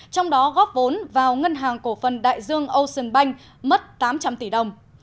trong đó góp vốn vào ngân hàng cổ phần đại dương ocean bank mất tám trăm linh tỷ đồng